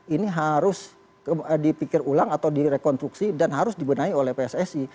ini harus dipikir ulang atau direkonstruksi dan harus dibenahi oleh pssi